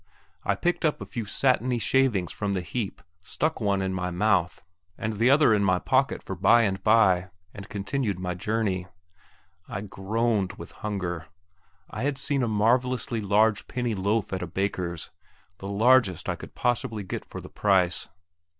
I picked up a few satiny shavings from the heap, stuck one in my mouth, and the other in my pocket for by and by, and continued my journey. I groaned with hunger. I had seen a marvellously large penny loaf at a baker's the largest I could possibly get for the price.